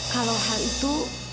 kalau hal itu